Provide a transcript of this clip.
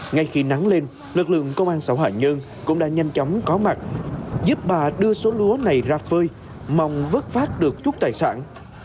ngay khi nắng lên lực lượng công an xã hạ nhơn cũng đã nhanh chóng có mặt giúp bà đưa số lúa này ra phơi mong vớt phát được chút tài sản